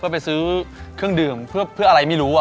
ไปซื้อเครื่องดื่มเพื่ออะไรไม่รู้